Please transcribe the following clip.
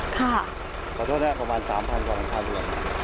ขอโทษนะครับประมาณ๓๐๐กว่าหลังคาเรือน